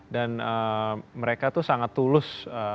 dan mereka tuh sangat tulus